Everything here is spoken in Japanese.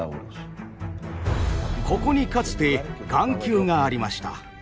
ここにかつて眼球がありました。